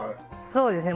そうですね。